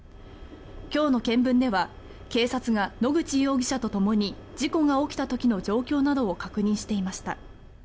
今日の見分では警察が野口容疑者とともに事故が起きた時の状況などを確認していました。